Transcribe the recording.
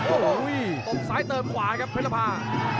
โอ้โหตบซ้ายเติมขวาครับเพชรภา